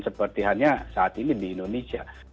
seperti halnya saat ini di indonesia